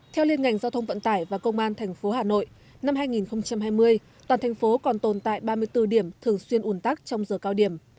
theo liên ngành giao thông vận tải và công an tp hà nội năm hai nghìn hai mươi toàn thành phố còn tồn tại ba mươi bốn điểm thường xuyên ủn tắc trong giờ cao điểm